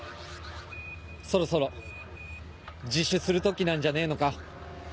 そろそろ自首する時なんじゃねえのか？